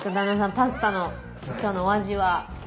パスタの今日のお味は。